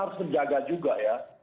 harus menjaga juga ya